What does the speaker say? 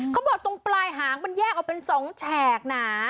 เขาบอกตรงปลายหางมันแยกออกเป็นสองแฉกนะ